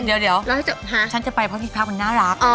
เดี๋ยวฉันจะไปเพราะพี่พักมันน่ารัก